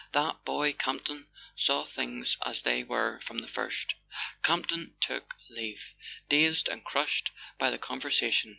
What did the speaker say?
That boy, Campton, saw things as they were from the first." Campton took leave, dazed and crushed by the con¬ versation.